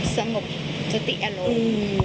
สงบสติอารมณ์